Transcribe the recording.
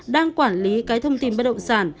đang quản lý cái thông tin bất động sản